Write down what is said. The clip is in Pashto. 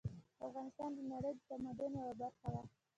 افغانستان د نړۍ د تمدن یوه برخه وه